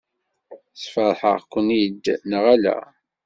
Sfeṛḥeɣ-ken-id neɣ ala?